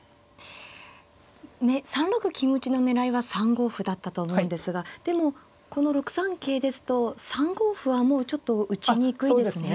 ３六金打の狙いは３五歩だったと思うんですがでもこの６三桂ですと３五歩はもうちょっと打ちにくいですね。